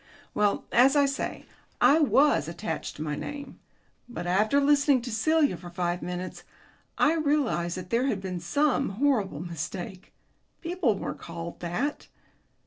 Well, as I say, I was attached to my name. But after listening to Celia for five minutes I realized that there had been some horrible mistake. People weren't called that.